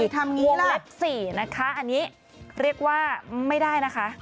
ทำอย่างนี้ล่ะโวล็ป๔นะคะอันนี้เรียกว่าไม่ได้นะคะ